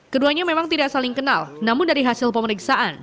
keduanya memang tidak saling kenal namun dari hasil pemeriksaan